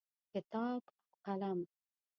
کتاب او قلم